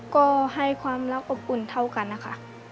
ก็ให้ความรักอบอุ่นเท่ากันนะคะ